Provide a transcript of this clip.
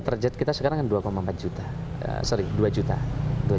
target kita sekarang dua empat juta